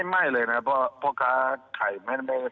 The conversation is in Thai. ไม่เลยนะครับเพราะว่าพ่อค้าขาย